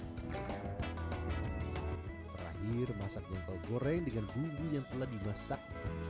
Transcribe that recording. dan terakhir masak jengkol goreng dengan bumbu yang telah dimasak